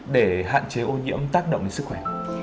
để hạn chế ô nhiễm tác động đến sức khỏe